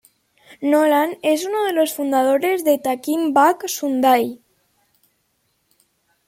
Nolan es uno de los fundadores de Taking Back Sunday.